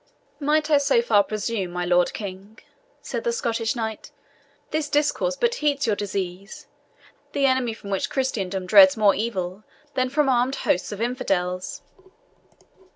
"Might I so far presume, my Lord King," said the Scottish knight, "this discourse but heats your disease, the enemy from which Christendom dreads more evil than from armed hosts of infidels."